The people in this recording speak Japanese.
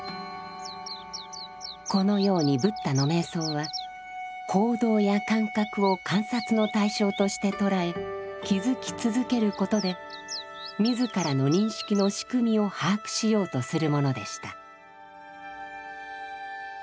このようにブッダの瞑想は行動や感覚を観察の対象として捉え気づき続けることで自らの認識の仕組みを把握しようとするものでした。